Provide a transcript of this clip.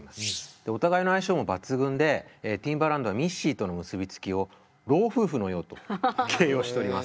でお互いの相性も抜群でティンバランドはミッシーとの結び付きを老夫婦のようと形容しております。